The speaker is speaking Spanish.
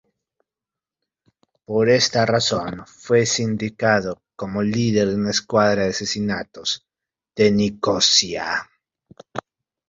Por esta razón, fue sindicado como líder de una escuadra de asesinatos de Nicosia.